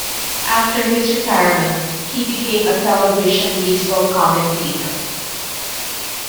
After his retirement, he became a television baseball commentator.